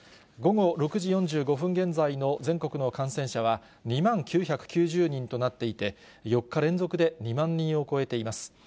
午後６時４５分現在の全国の感染者は、２万９９０人となっていて、４日連続で２万人を超えています。